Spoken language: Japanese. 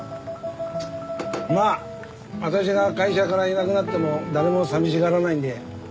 まああたしが会社からいなくなっても誰も寂しがらないんで安心だ。